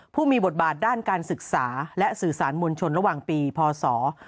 ผู้มีบทบาทด้านการศึกษาและสื่อสารมวลชนระหว่างปีพศ๒๕๖